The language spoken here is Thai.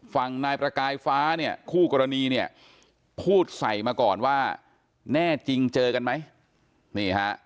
ฝั่งนายประกายฟ้าเนี่ยคู่กรณีเนี่ยพูดใส่มาก่อนว่าแน่จริงเจอกันไหมนี่ฮะ